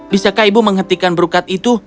bisakah ibu menghentikan berukat itu